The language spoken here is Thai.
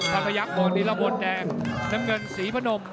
ทะพยักเปิดว่านิราบวนแดงน้ำเงินศรีพะนม